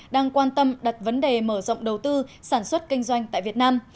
đang quan tâm đặt vấn đề mở rộng đầu tư sản xuất kinh doanh tại việt nam